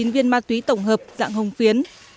hai trăm linh chín viên ma túy tổng hợp dạng hồng phiến